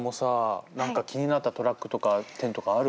何か気になったトラックとか点とかある？